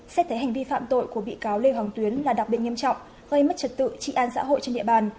xét thấy hành vi phạm tội của bị cáo lê hoàng tuyến là đặc biệt nghiêm trọng gây mất trật tự trị an xã hội trên địa bàn